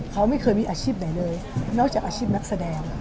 เขาไม่เคยมีอาชีพไหนเลยนอกจากอาชีพนักแสดง